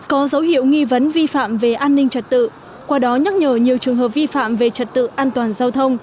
có dấu hiệu nghi vấn vi phạm về an ninh trật tự qua đó nhắc nhở nhiều trường hợp vi phạm về trật tự an toàn giao thông